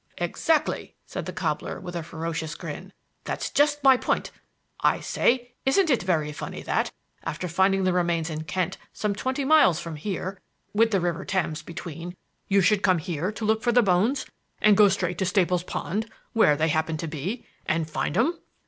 "Exactly," said the cobbler, with a ferocious grin, "that's just my point. I say, isn't it very funny that, after finding the remains in Kent some twenty miles from here, with the River Thames between, you should come here to look for the bones and go straight to Staple's Pond, where they happen to be and find 'em?"